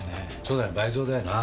そうだよ倍増だよな。